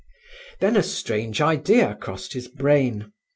Then a strange idea crossed his brain.